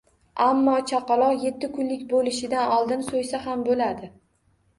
Ammo chaqaloq yetti kunlik bo‘lishidan oldin so‘ysa ham bo‘ladi.